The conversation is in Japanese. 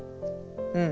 うん。